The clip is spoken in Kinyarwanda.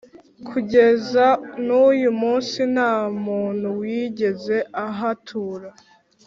Kugeza n uyu munsi nta muntu wigeze ahatura